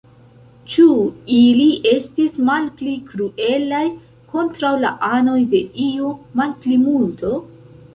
Ĉu ili estis malpli kruelaj kontraŭ la anoj de iu malplimulto?